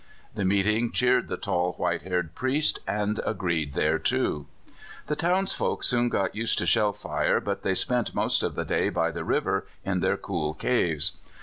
The meeting cheered the tall, white haired priest, and agreed thereto. The townsfolk soon got used to shell fire, but they spent most of the day by the river in their cool caves.